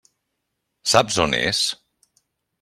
Saps on és?